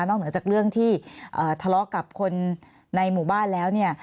เหนือจากเรื่องที่ทะเลาะกับคนในหมู่บ้านแล้วเนี่ย